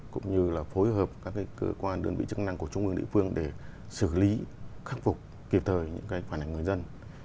cũng như là phối hợp các cơ quan đơn vị chức năng của trung ương địa phương để xử lý khắc phục kịp thời những phản ảnh người dân